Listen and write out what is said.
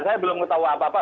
saya belum tahu apa apa